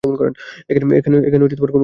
এখানে কোন গাইড নেই।